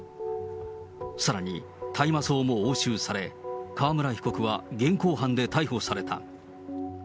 さらに、大麻草も押収され、川村被告は現行犯で逮捕された。